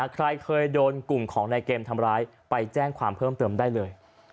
ใครเคยโดนกลุ่มของนายเกมทำร้ายไปแจ้งความเพิ่มเติมได้เลย